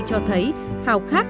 cho thấy hào khát